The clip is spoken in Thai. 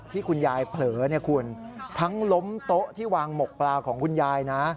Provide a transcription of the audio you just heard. ที่คุณยายเผลอเนี่ยคุณทั้งล้มโต๊ะที่วางหมกปลาของคุณยายนะ